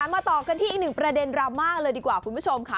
มาต่อกันที่อีกหนึ่งประเด็นดราม่าเลยดีกว่าคุณผู้ชมค่ะ